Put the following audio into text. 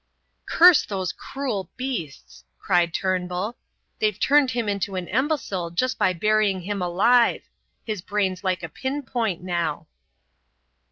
"Curse those cruel beasts!" cried Turnbull. "They've turned him to an imbecile just by burying him alive. His brain's like a pin point now."